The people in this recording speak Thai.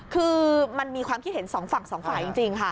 คือมันมีความคิดเห็นสองฝั่งสองฝ่ายจริงค่ะ